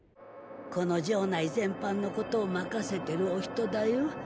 この城内全般のことを任せてるお人だよ。